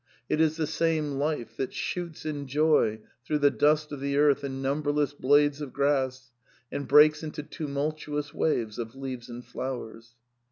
" It is the same life that shoots in joy through the dust of the earth in numberless blades of grass, and breaks into tumultuous waves of leaves and flowers."